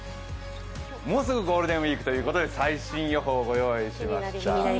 もうすぐゴールデンウイークということで、最新予報をご用意しました。